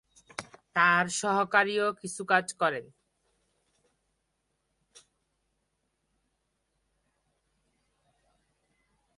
তাঁর সহকারীও কিছু কাজ করেন।